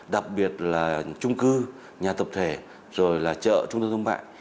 đặc biệt là trung cư nhà tập thể rồi là chợ trung tâm thông bại